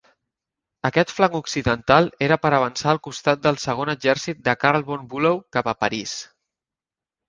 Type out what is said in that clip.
Aquest flanc occidental era per avançar al costat del Segon Exèrcit de Karl von Bülow cap a París.